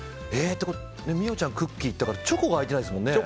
美桜ちゃん、クッキーいったからチョコいってないですもんね。